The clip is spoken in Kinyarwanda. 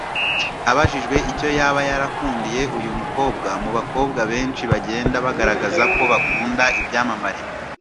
Abajijwe icyo yaba yarakundiye uyu mukobwa mu bakobwa benshi bagenda bagaragaza ko bakunda ibyamamare